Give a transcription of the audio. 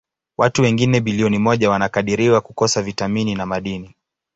Watu wengine bilioni moja wanakadiriwa kukosa vitamini na madini.